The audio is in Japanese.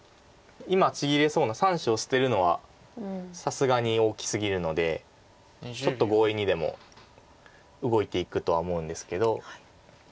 今ちぎれそうな３子を捨てるのはさすがに大きすぎるのでちょっと強引にでも動いていくとは思うんですけど。